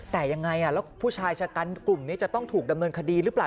แต่ยังไงแล้วผู้ชายชะกันกลุ่มนี้จะต้องถูกดำเนินคดีหรือเปล่า